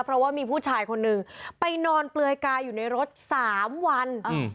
เพราะว่ามีผู้ชายคนนึงไปนอนเปลือยกายอยู่ในรถสามวัน